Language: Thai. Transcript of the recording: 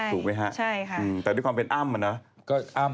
ถูกไหมคะ